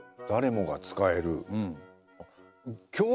誰もが使える。